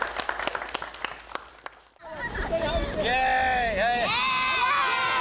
イエーイ！